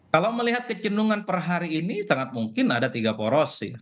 kalau melihat kecendungan per hari ini sangat mungkin ada tiga poros